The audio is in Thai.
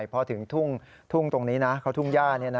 กับแสงพระอาทิตย์คุณ